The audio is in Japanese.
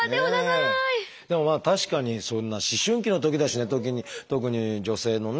でも確かにそんな思春期のときだしね特に女性のね